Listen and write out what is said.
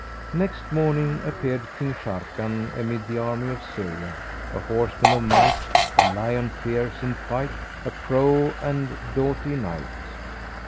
Next morning appeared King Sharrkan amid the army of Syria, a horseman of might, a lion fierce in fight, a prow and doughty knight.